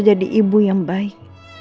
jadi ibu yang baik